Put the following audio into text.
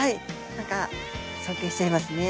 何か尊敬しちゃいますね。